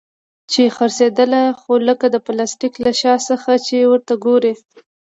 چې څرخېدله خو لکه د پلاستيک له شا څخه چې ورته وگورې.